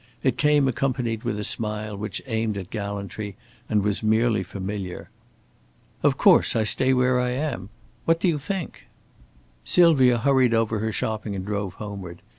It came accompanied with a smile which aimed at gallantry and was merely familiar. "Of course I stay where I am. What do you think?" Sylvia hurried over her shopping and drove homeward.